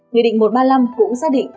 nghị định một trăm ba mươi năm